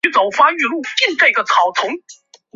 淡水蟹的演化被认为发生在冈瓦纳大陆分裂之后。